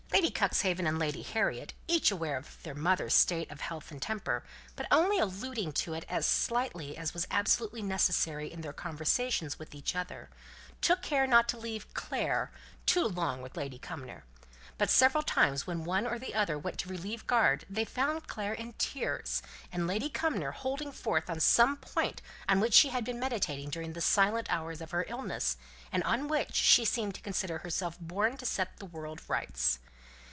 Lady Cuxhaven and Lady Harriet, each aware of their mother's state of health and temper, but only alluding to it as slightly as was absolutely necessary in their conversations with each other, took care not to leave "Clare" too long with Lady Cumnor; but several times when one or the other went to relieve guard they found Clare in tears, and Lady Cumnor holding forth on some point on which she had been meditating during the silent hours of her illness, and on which she seemed to consider herself born to set the world to rights.